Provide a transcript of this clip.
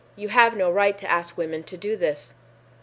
"You have no right to ask women to do this